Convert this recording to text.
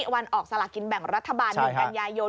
วันออกสลากินแบ่งรัฐบาล๑กันยายน